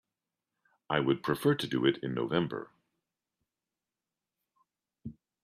I would prefer to do it in November.